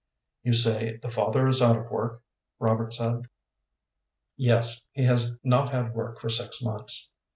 "You say the father is out of work?" Robert said. "Yes, he has not had work for six months.